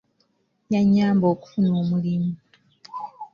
Yannyamba okufuna omulimu.